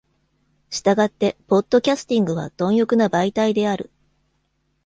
したがってポッドキャスティングは貪欲な媒体である。